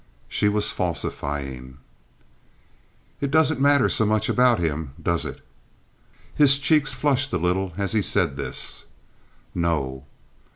She was falsifying. "It doesn't matter so much about him, does it?" His cheeks flushed a little as he said this. "No."